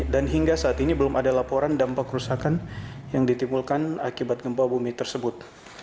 dan hingga saat ini belum ada laporan dampak kerusakan yang ditimbulkan akibat gempa bumi tersebut